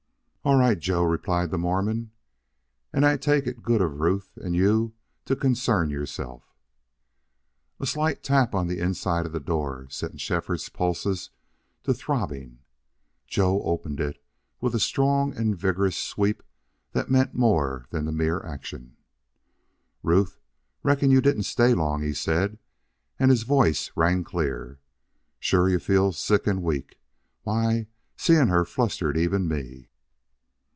"All right, Joe," replied the Mormon. "An' I take it good of Ruth an' you to concern yourselves." A slight tap on the inside of the door sent Shefford's pulses to throbbing. Joe opened it with a strong and vigorous sweep that meant more than the mere action. "Ruth reckon you didn't stay long," he said, and his voice rang clear. "Sure you feel sick and weak. Why, seeing her flustered even me!"